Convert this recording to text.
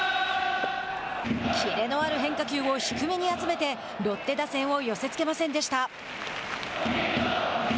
キレのある変化球を低めに集めてロッテ打線を寄せつけませんでした。